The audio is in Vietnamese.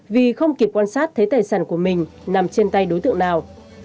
vì không kịp quan sát thấy tài sản của mình nằm trên tay đối tượng nào